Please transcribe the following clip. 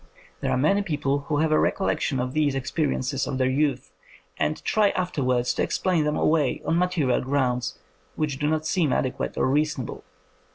There are many people who have a recol lection of these experiences of their youth, and try afterwards to explain them away on material grounds which do not seem ade quate or reasonable.